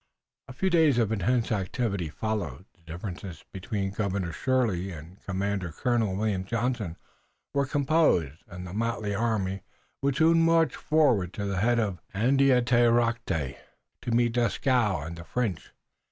A few days of intense activity followed. The differences between Governor Shirley and the commander, Colonel William Johnson, were composed, and the motley army would soon march forward to the head of Andiatarocte to meet Dieskau and the French.